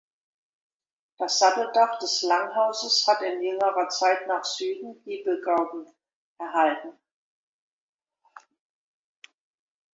Das Satteldach des Langhauses hat in jüngerer Zeit nach Süden Giebelgauben erhalten.